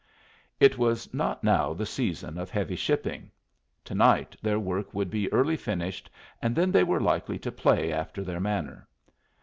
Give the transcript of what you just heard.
It was not now the season of heavy shipping; to night their work would be early finished, and then they were likely to play after their manner.